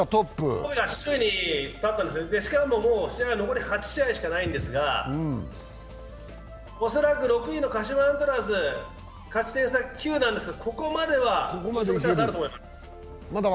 しかも、もう試合は残り８試合しかないんですがおそらく６位の鹿島アントラーズ、勝ち点９なんですがここまではチャンスがあると思います。